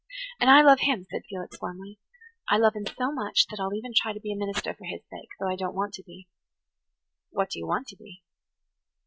"And I love him," said Felix warmly. "I love him so much that I'll even try to be a minister for his sake, though I don't want to be." " What do you want to be?"